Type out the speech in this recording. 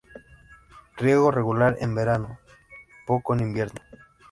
Riego regular en verano, poco en invierno.